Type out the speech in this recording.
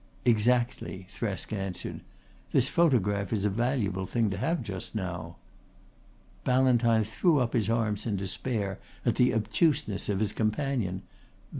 "Exactly," Thresk answered. "This photograph is a valuable thing to have just now." Ballantyne threw up his arms in despair at the obtuseness of his companion.